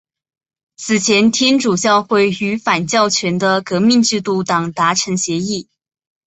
此前天主教会与反教权的革命制度党达成协议。